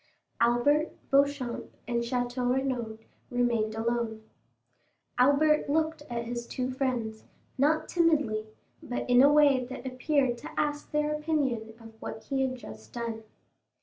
Albert, Beauchamp, and Château Renaud remained alone. Albert looked at his two friends, not timidly, but in a way that appeared to ask their opinion of what he had just done.